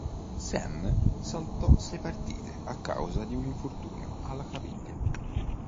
Sam saltò sei partite a causa di un infortunio alla caviglia.